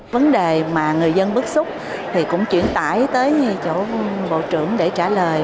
vấn đề mà người dân bức xúc thì cũng chuyển tải tới chỗ bộ trưởng để trả lời